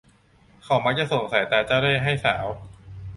เขามักจะส่งสายตาเจ้าเล่ห์ให้สาว